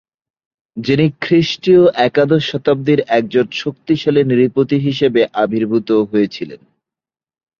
যিনি খ্রিস্টীয় একাদশ শতাব্দির একজন শক্তিশালী নৃপতি হিসেবে আবির্ভুত হয়ে ছিলেন।